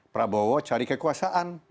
prabowo cari kekuasaan